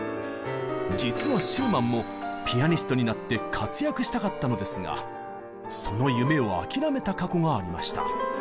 実はシューマンもピアニストになって活躍したかったのですがその夢を諦めた過去がありました。